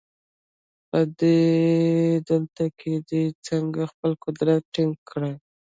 په دې لټه کې دي چې څنګه خپل قدرت ټینګ کړي.